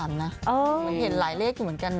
มันเห็นหลายเลขอยู่เหมือนกันนะ